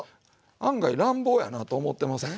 案外乱暴やなと思ってません？